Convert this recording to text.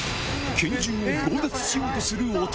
拳銃を強奪しようとする男。